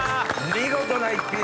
見事な一品。